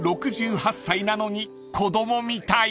６８歳なのに子供みたい］